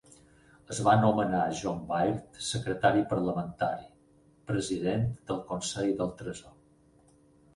Es va nomenar John Baird secretari parlamentari, president del Consell del Tresor.